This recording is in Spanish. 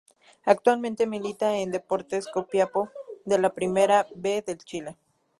Actualmente milita en Deportes Copiapó de la Primera B de Chile.